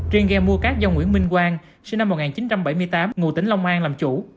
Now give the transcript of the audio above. riêng gheo mua cát do nguyễn minh quang sinh năm một nghìn chín trăm bảy mươi tám ngủ tỉnh long an làm chủ